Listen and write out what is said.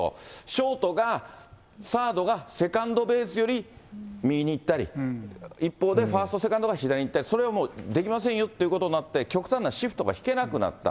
ショートが、サードがセカンドベースより右に行ったり、一方でファーストと、セカンドが左に行ったり、それはもうできませんよということになって、極端なシフトが引けなくなった。